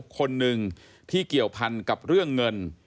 คนหนึ่งที่เกี่ยวพันกับเรื่องเงิน